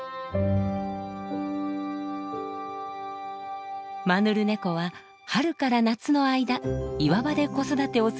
マヌルネコは春から夏の間岩場で子育てをするといいます。